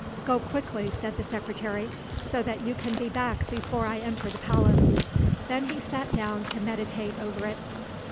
"Go quickly," said the secretary, "so that you can be back before I enter the Palace." Then he sat down to meditate over it.